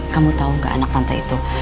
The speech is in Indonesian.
kamu tau nggak anak tante itu